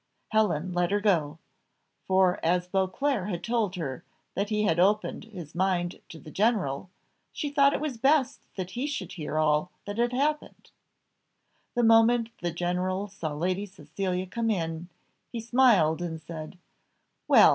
Helen let her go, for as Beauclerc had told her that he had opened his mind to the general, she thought it was best that he should hear all that had happened. The moment the general saw Lady Cecilia come in, he smiled, and said, "Well!